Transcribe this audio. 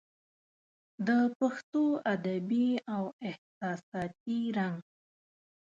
د پښتو ادبي او احساساتي رنګ